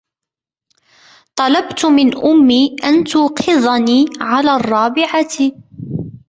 طلبت من أمي أن توقظني على الرابعة.